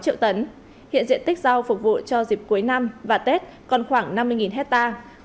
hiện diện tích rau phục vụ cho dịp cuối năm và tết còn khoảng năm mươi hectare